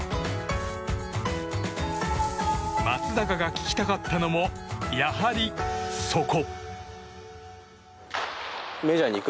松坂が聞きたかったのもやはり、そこ。